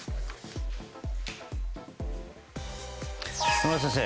野村先生